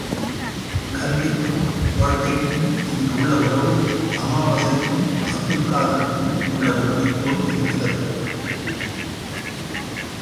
கல்விக்கும் வாழ்க்கைக்கும் இன்றுள்ள உறவு அமாவாசைக்கும் அப்துல்காதருக்கும் உள்ள உறவைப்போல் இருக்கிறது.